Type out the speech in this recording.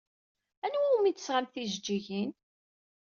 Anwa umi d-tesɣamt tijeǧǧigin?